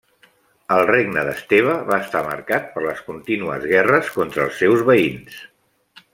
El regne d'Esteve va estar marcat per les contínues guerres contra els seus veïns.